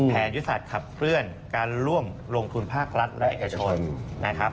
แทนวิทยาศาสตร์ขับเลื่อนการร่วมโลงทุนภาครัฐและเอกชน